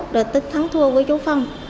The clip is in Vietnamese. rồi tích thắng thua với chú phong